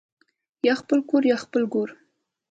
یا خپل کور یا خپل ګور